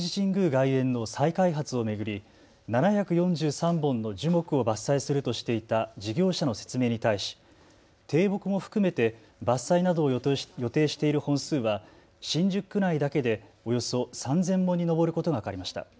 外苑の再開発を巡り７４３本の樹木を伐採するとしていた事業者の説明に対し低木も含めて伐採などを予定している本数は新宿区内だけでおよそ３０００本に上ることが分かりました。